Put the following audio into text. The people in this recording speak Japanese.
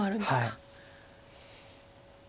はい。